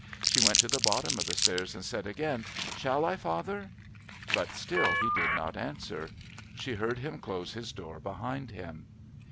She went to the bottom of the stairs and said again: "Shall I, father?" But still he did not answer. She heard him close his door behind him.